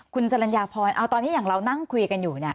คุณสรรญาพรเอาตอนนี้อย่างเรานั่งคุยกันอยู่